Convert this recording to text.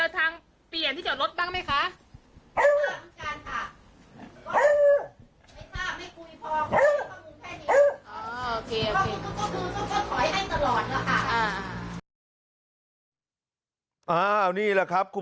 ทีมข่าวอยากให้รู้